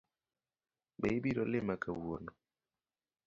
Be ibiro lima kawuono?